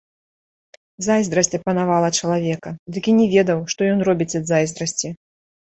Зайздрасць апанавала чалавека, дык і не ведаў, што ён робіць ад зайздрасці.